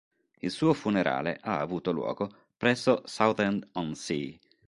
Il suo funerale ha avuto luogo presso Southend-on-Sea.